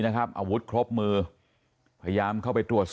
และก็คือว่าถึงแม้วันนี้จะพบรอยเท้าเสียแป้งจริงไหม